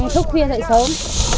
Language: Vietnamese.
thức khuya dậy sớm